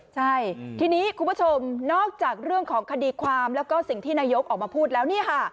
ใช่ทีนี้คุณผู้ชมนอกจากเรื่องของคดีความแล้วก็สิ่งที่นายกออกมาพูดแล้วนี่ค่ะ